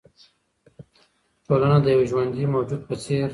ټولنه د یوه ژوندي موجود په څېر ده.